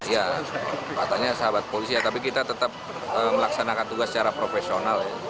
ya katanya sahabat polisi ya tapi kita tetap melaksanakan tugas secara profesional ya